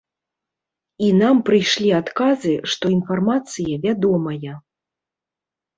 І нам прыйшлі адказы, што інфармацыя вядомая.